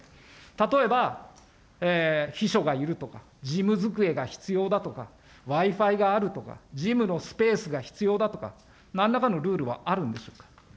例えば、秘書がいるとか、事務机が必要だとか、Ｗｉ−Ｆｉがあるとか、事務のスペースが必要だとか、なんらかのルールはあるんでしょうか。